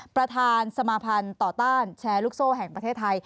ประธานสมาภัณฑ์ต่อต้านแชร์ลูกโซ่แห่งประเทศไทย